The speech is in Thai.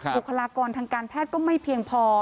บุคลากรทางการแพทย์ก็ไม่เพียงพอ